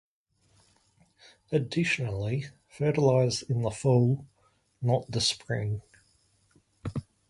Additionally, fertilize in the fall, not the spring.